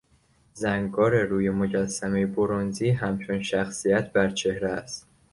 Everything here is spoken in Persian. زنگار روی مجسمهی برنزی همچون شخصیت بر چهره است.